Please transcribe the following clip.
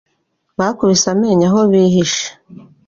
Bakubise amenyo aho bihishe